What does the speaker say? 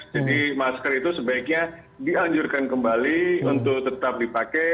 jadi masker itu sebaiknya dianjurkan kembali untuk tetap dipakai